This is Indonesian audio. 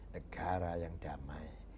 negara yang damai